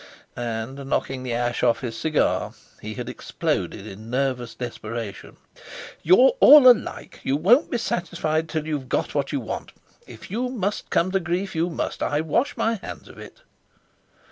And, knocking the ash off his cigar, he had exploded in nervous desperation: "You're all alike: you won't be satisfied till you've got what you want. If you must come to grief, you must; I wash my hands of it."